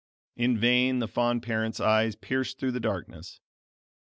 In vain the fond parents' eyes pierced through the darkness.